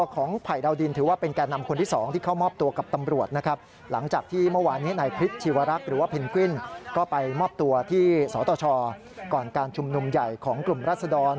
ก่อนการชุมนุมใหญ่ของกลุ่มรัศดร